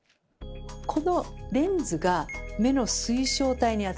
このレンズが目の水晶体にあたる部分です。